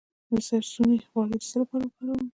د سرسونو غوړي د څه لپاره وکاروم؟